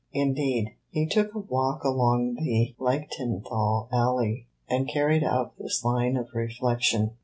Indeed, he took a walk along the Lichtenthal Alley and carried out this line of reflection.